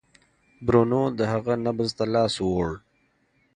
برونو د هغه نبض ته لاس ووړ.